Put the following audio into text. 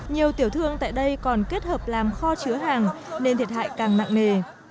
nhiều tiểu thương tại đây còn kết hợp làm kho chứa hàng nên thiệt hại càng nặng nề